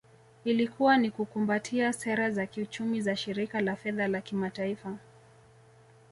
Ilikuwa ni kukumbatia sera za kiuchumi za Shirika la Fedha la Kimataifa